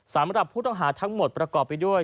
สำหรับผู้ต้องหาทั้งหมดประกอบไปด้วย